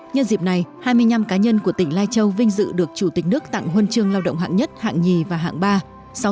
nhân dịp này hai mươi năm cá nhân của tỉnh lai châu vinh dự được chủ tịch nước tặng huân chương lao động hạng nhất hạng nhì và hạng ba